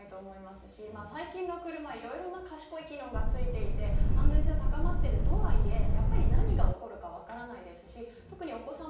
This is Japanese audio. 本当に間違いないと思いますし最近の車いろいろ賢い機能が付いていて安全性も高まっているとはいえやっぱり何が起こるか分からないですし